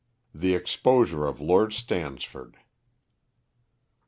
THE EXPOSURE OF LORD STANSFORD.